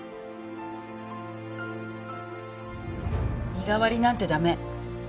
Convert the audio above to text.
身代わりなんて駄目。